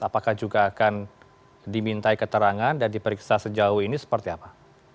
apakah juga akan dimintai keterangan dan diperiksa sejauh ini seperti apa